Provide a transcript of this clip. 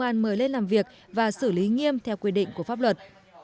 an mời lên làm việc và xử lý nghiêm theo quy định của pháp luật